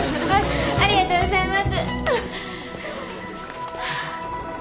ありがとうございます。